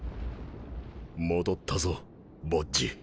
戻ったぞボッジ。